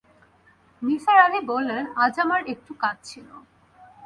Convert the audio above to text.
নিসার আলি বললেন, আজ আমার একটু কাজ ছিল।